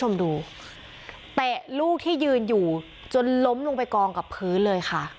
เห็นก็ลูกที่ยืนอยู่จนล้มลงลงไปกองกับพื้นเลยค่ะ